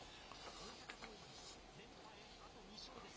大阪桐蔭、連覇へ、あと２勝です。